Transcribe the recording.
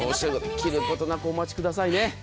切ることなくお待ちくださいね。